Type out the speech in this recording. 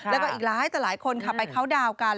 แล้วก็อีกหลายคนค่ะไปเข้าดาวกัน